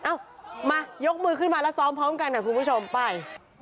เอ้ามายกมือขึ้นมาแล้วซ้อมพร้อมกันหน่อยคุณผู้ชมไป